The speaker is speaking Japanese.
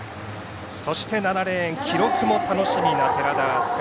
そして、７レーン記録も楽しみ、寺田明日香。